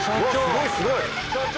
すごいすごい！社長！